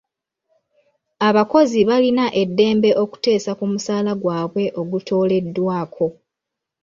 Abakozi balina eddembe okuteesa ku musaala gwabwe ogutooleddwako.